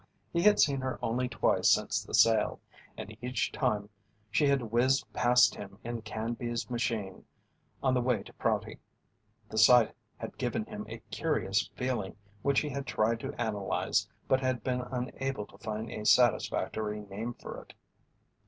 He had seen her only twice since the sale, and each time she had whizzed past him in Canby's machine on the way to Prouty. The sight had given him a curious feeling which he had tried to analyze but had been unable to find a satisfactory name for it.